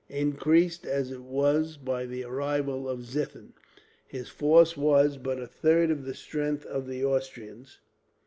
Increased as it was by the arrival of Ziethen, his force was but a third of the strength of the Austrians.